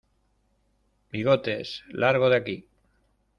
¡ Bigotes, largo de aquí!